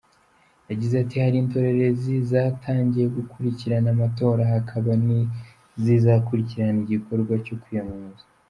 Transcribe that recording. Yagize ati “Hari indorerezi zatangiye gukurikirana amatora, hakaba n’izizakurikirana igikorwa cyo kwiyamamaza.